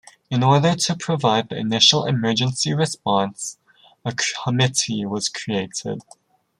In order to provide the initial emergency response, a committee was created.